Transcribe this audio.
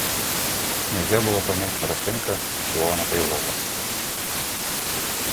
Нельзя было понять хорошенько, чего она требовала.